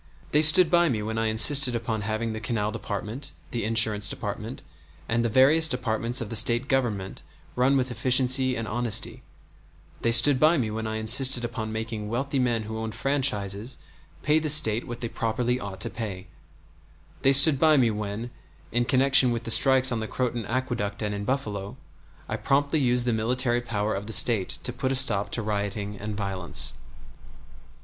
They stood by me when I insisted upon having the canal department, the insurance department, and the various departments of the State Government run with efficiency and honesty; they stood by me when I insisted upon making wealthy men who owned franchises pay the State what they properly ought to pay; they stood by me when, in connection with the strikes on the Croton Aqueduct and in Buffalo, I promptly used the military power of the State to put a stop to rioting and violence.